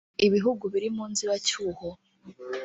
Ibihugu biri mu nzibacyuho